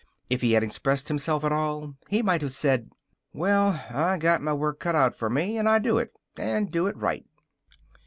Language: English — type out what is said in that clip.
If he had expressed himself at all, he might have said: "Well, I got my work cut out for me, and I do it, and do it right."